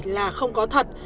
là không có thật